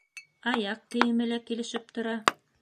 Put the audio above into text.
Аяҡ кейеме лә килешеп тора.